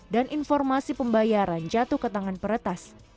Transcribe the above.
dan informasi pembayaran jatuh ke tangan peretas